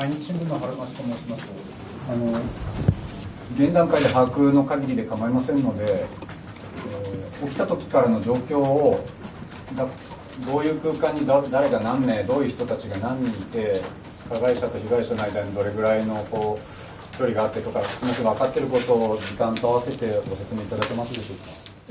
現段階で把握のかぎりで構いませんので、起きたときからの状況をどういう空間に誰が何名、どういう人たちが何人いて、加害者と被害者の間にどれぐらいの距離があってとか、分かっていることを時間と合わせてご説明いただけますでしょうか。